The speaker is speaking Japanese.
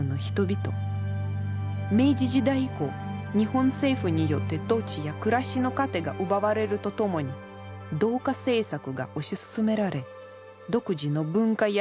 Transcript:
明治時代以降日本政府によって土地や暮らしの糧が奪われるとともに同化政策が推し進められ独自の文化や言語は否定されていった。